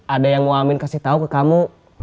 ada yang mau amin kasih tahu ke kamu